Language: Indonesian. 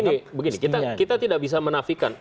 begini kita tidak bisa menafikan